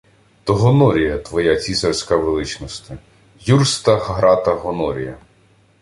— То Гонорія, твоя цісарська величносте. Юста-Грата Гонорія.